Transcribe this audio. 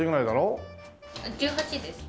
１８です。